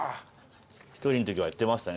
独りのときはやってましたね